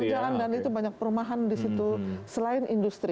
berjalan dan itu banyak perumahan di situ selain industri